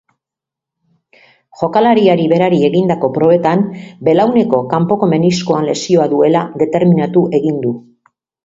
Jokalariari berari egindako probetan belauneko kanpoko meniskoan lesioa duela determinatu egin du.